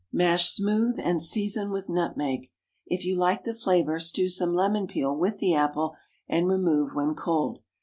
Mash smooth, and season with nutmeg. If you like the flavor, stew some lemon peel with the apple, and remove when cold.